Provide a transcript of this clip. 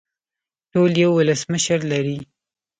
ټول یو ولسمشر لري